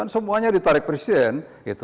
semuanya ditarik presiden